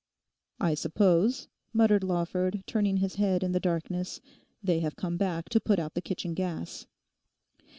'I suppose,' muttered Lawford, turning his head in the darkness, 'they have come back to put out the kitchen gas.